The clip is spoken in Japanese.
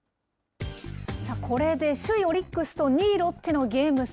これで首位オリックスと２位ロッテのゲーム差